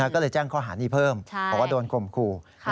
ก็เลยแจ้งข้อหานี้เพิ่มบอกว่าโดนข่มขู่